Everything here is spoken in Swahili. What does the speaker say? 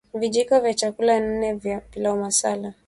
vijiko vya chakula nne vya pilau masala